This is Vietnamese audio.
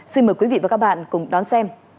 xin mời quý vị và các bạn cùng đón xem